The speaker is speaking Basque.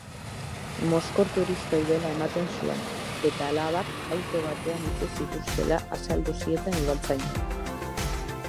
Mozkorturik zeudela ematen zuen eta alabak auto batean utzi zituztela azaldu zieten udaltzainei.